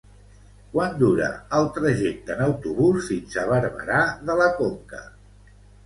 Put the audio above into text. Quant dura el trajecte en autobús fins a Barberà de la Conca?